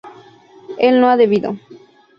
él no ha bebido